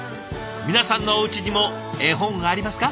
皆さんのおうちにも絵本ありますか？